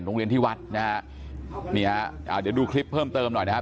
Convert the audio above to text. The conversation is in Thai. โรงเรียนที่วัดนะเดี๋ยวดูคลิปเพิ่มเติมหน่อยนะครับ